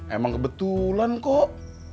emang kebetulan kok